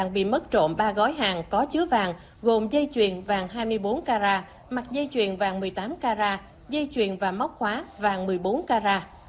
bị mất trộm ba gói hàng có chứa vàng gồm dây chuyền vàng hai mươi bốn carat mặt dây chuyền vàng một mươi tám carat dây chuyền và móc khóa vàng một mươi bốn carat